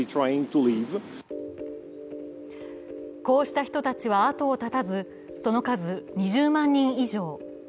こうした人たちは後を絶たず、その数２０万人以上。